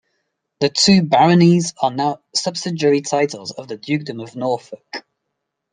The two baronies are now subsidiary titles of the dukedom of Norfolk.